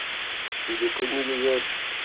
Il est connu des autres.